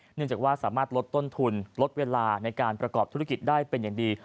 เนื่องจากว่าสามารถลดต้นทุนลดเวลาในการประกอบธุรกิจได้เป็นอย่างดี